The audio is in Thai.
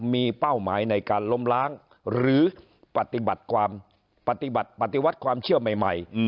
มีเป้าหมายในการล้มล้างหรือปฏิบัติความเชื่อใหม่